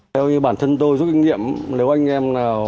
theo như bản thân tôi dưới kinh nghiệm nếu anh em